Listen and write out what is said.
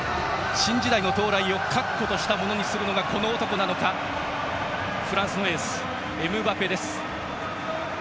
新時代の到来を確固たるものにするのがこの男なのかフランスのエース、エムバペ。